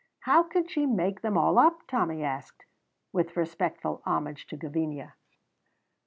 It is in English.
"How can she make them all up?" Tommy asked, with respectful homage to Gavinia.